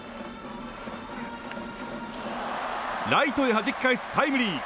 ライトへ弾き返すタイムリー。